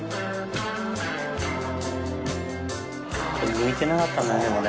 向いてなかったんだね